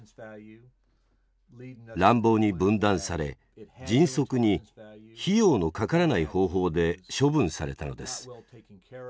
乱暴に分断され迅速に費用のかからない方法で処分されたのです。